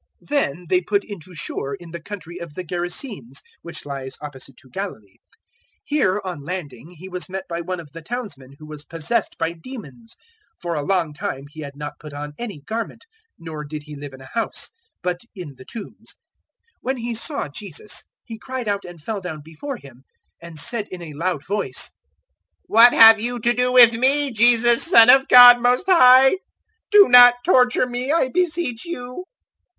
008:026 Then they put in to shore in the country of the Gerasenes, which lies opposite to Galilee. 008:027 Here, on landing, He was met by one of the townsmen who was possessed by demons for a long time he had not put on any garment, nor did he live in a house, but in the tombs. 008:028 When he saw Jesus, he cried out and fell down before Him, and said in a loud voice, "What have you to do with me, Jesus, Son of God Most High? Do not torture me, I beseech you."